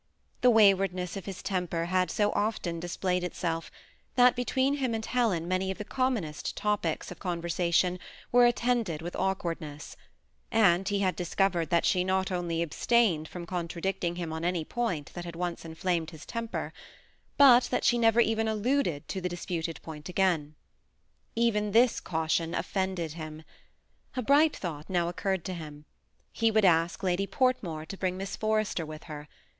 The waywardness of his temper had so often displayed itself, that between him and Jlelen many of the commonest topics of conversation were attended with awkwardness ; and he had discov ered that she not only abstained from contradicting him on any point that had once inflamed his temper, but that she never even alluded to the disputed point again. Even tills caution offended him. A bright thought now occurred to him ; he would ask Lady Portmore to bring Miss Forrester with her.